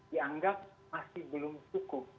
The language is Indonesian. dianggap masih belum cukup